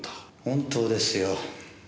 本当ですよ。